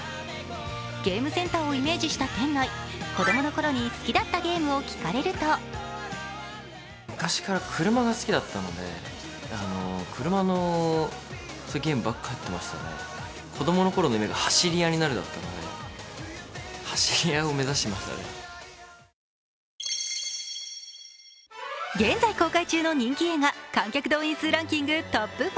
ゲームセンターをイメージした店内、子供のころに好きだったゲームを聞かれると現在公開中の人気映画観客動員数ランキングトップ５。